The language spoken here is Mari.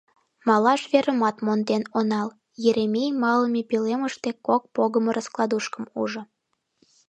— Малаш верымат монден онал, — Еремей малыме пӧлемыште кок погымо раскладушкым ужо.